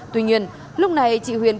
tuy nhiên lúc này chị huyền